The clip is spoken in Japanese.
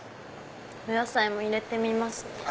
お野菜も入れてみますね。